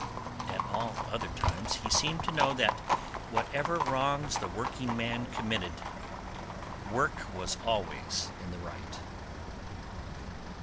At all other times he seemed to know that whatever wrongs the workingman committed work was always in the right.